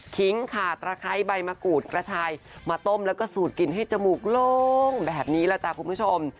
ขาตะไคร้ใบมะกรูดกระชายมาต้มแล้วก็สูดกินให้จมูกโล่งแบบนี้แหละจ้ะคุณผู้ชม